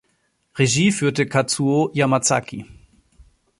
Regie führte Kazuo Yamazaki.